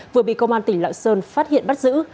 vừa bị công an tỉnh lạng sơn phát hiện bắt giữ